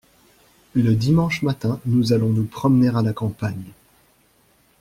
Le dimanche matin nous allons nous promener à la campagne.